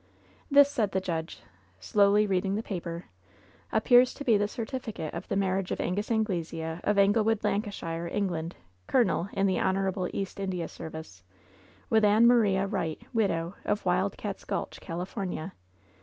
"This," said the judge, slowly reading the paper, "ap pears to be the certificate of the marriage of Angus Anglesea, of Anglewood, Lancashire, England, colonel in die Honorable East Lidia Service, witih Ami Maria 114 LOVE'S BITTEREST CUP Wright, widow, of Wild Cats* Gulch, California.